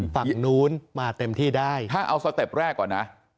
ฝั่งนู้นมาเต็มที่ได้ถ้าเอาสเต็ปแรกก่อนนะ